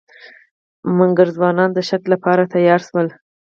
مګر ځوانان د شرط لپاره تیار شول.